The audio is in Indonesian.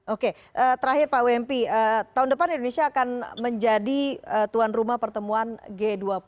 oke terakhir pak wmp tahun depan indonesia akan menjadi tuan rumah pertemuan g dua puluh